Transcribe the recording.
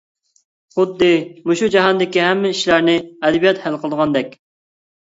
خۇددى مۇشۇ جاھاندىكى ھەممە ئىشلارنى ئەدەبىيات ھەل قىلىدىغاندەك.